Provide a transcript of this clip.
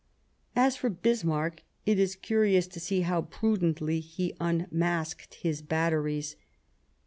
As for Bismarck, it is curious to see how prudently he unmasked his batteries.